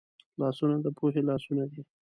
لاسونه د پوهې لاسونه دي